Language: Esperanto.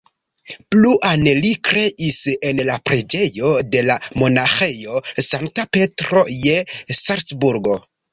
Pluan li kreis en la preĝejo de la monaĥejo Sankta Petro je Salcburgo.